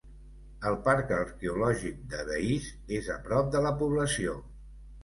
El parc arqueològic de Veïs és a prop de la població.